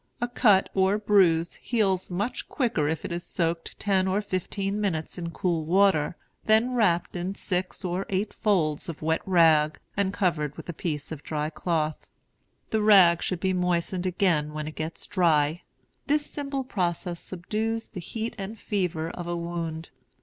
A cut or bruise heals much quicker if it is soaked ten or fifteen minutes in cool water, then wrapped in six or eight folds of wet rag, and covered with a piece of dry cloth. The rag should be moistened again when it gets dry. This simple process subdues the heat and fever of a wound.